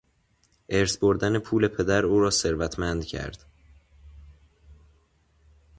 ارث بردن پول پدر، او را ثروتمند کرد.